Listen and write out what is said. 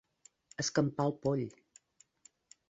Escampar el poll.